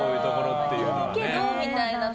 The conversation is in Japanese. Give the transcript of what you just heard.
いいけど、みたいな。